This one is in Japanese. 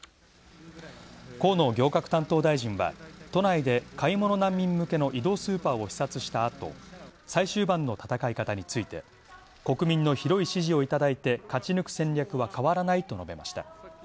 河野行革担当大臣は、都内で「買い物難民」向けの移動スーパーを視察したあと最終盤の戦い方について「国民の広い支持をいただいて勝ち抜く戦略は変わらない」と述べました。